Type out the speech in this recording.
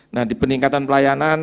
nah di peningkatan pelayanan